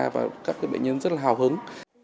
và các bệnh nhân rất là hào hứng